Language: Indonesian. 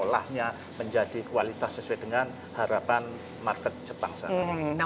bagaimana cara menangkapnya menjadi kualitas sesuai dengan harapan market jepang saat ini